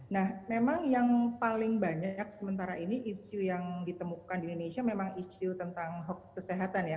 nah memang yang paling banyak sementara ini isu yang ditemukan di indonesia memang isu tentang hoax kesehatan ya